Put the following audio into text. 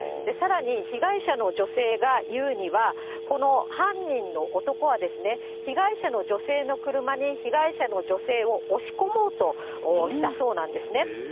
さらに、被害者の女性が言うには、この犯人の男は被害者の女性の車に被害者の女性を押し込もうとしたそうなんですね。